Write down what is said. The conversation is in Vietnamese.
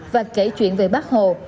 và kể chuyện về bác hồ